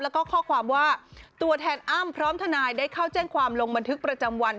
แล้วก็ข้อความว่าตัวแทนอ้ำพร้อมทนายได้เข้าแจ้งความลงบันทึกประจำวัน